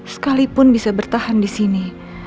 sekalipun bisa bertahan disini